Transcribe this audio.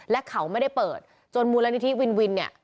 และเขาไม่ได้เปิดจนมูลนิธิวินวินเนี่ย